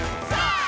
さあ！